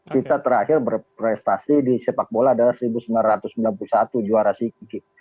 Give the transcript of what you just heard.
kita terakhir berprestasi di sepak bola adalah seribu sembilan ratus sembilan puluh satu juara siki